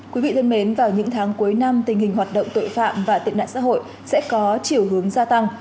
quý vị thân mến vào những tháng cuối năm tình hình hoạt động tội phạm và tệ nạn xã hội sẽ có chiều hướng gia tăng